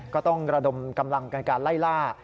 ก็ต้องระดมกำลังกันการไล่ล่า